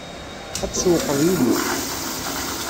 Ad tsewwqeḍ yid-i?